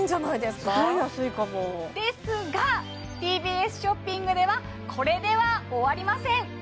すごい安いかもですがＴＢＳショッピングではこれでは終わりません